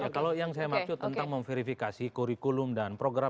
ya kalau yang saya maksud tentang memverifikasi kurikulum dan program